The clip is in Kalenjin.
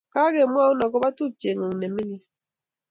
Kakemwaun akobo tupchengung ne mining